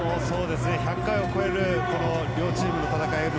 １００回を超える両チームの戦い